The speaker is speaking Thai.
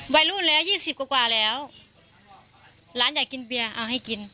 วัยรุ่นแล้วยี่สิบกว่ากว่าแล้วหลานอยากกินเบียร์เอาให้กิน